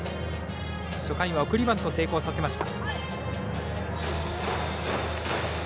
初回は送りバント成功させました。